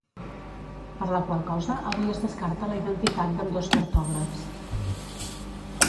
Per la qual cosa avui es descarta la identitat d’ambdós cartògrafs.